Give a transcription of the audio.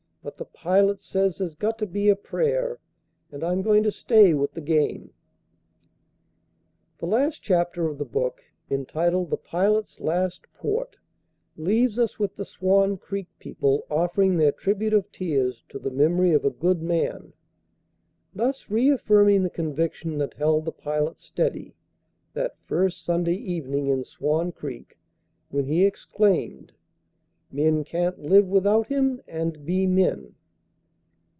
But the Pilot says there's got to be a prayer, and I'm going to stay with the game." The last chapter of the book, entitled "The Pilot's Last Port," leaves us with the Swan Creek people offering their tribute of tears to the memory of a good man, thus reaffirming the conviction that held the Pilot steady, that first Sunday evening in Swan Creek, when he exclaimed, "Men can't live without Him and be men."